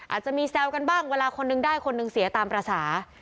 อาจจะมีแซวกันบ้างเวลาคนนึงได้คนหนึ่งเสียตามภาษา